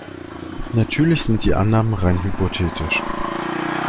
Natürlich sind die Annahmen rein hypothetisch.